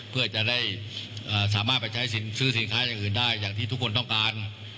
เพื่อจะได้สามารถไปใช้ซื้อสินค้าอย่างอื่นได้อย่างที่ทุกคนต้องการ